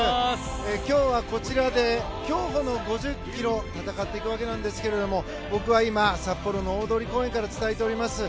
今日はこちらで競歩の５０ｋｍを戦っていくわけですけど僕は今、札幌の大通公園から伝えております。